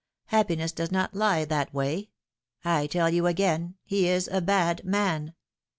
Happiness does not lie that way. I tell you again, he is a bad man."